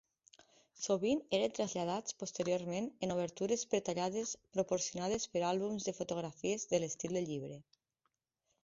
Sovint eren traslladats posteriorment en obertures pretallades proporcionades per àlbums de fotografies de l'estil de llibre.